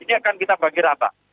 ini akan kita bagi rata